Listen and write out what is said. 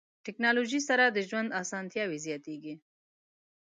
ټکنالوژي سره د ژوند اسانتیاوې زیاتیږي.